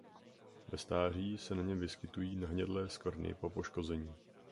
Ve staří se na něm vyskytují nahnědlé skvrny po poškození.